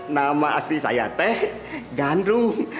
nama asli saya teh gandrung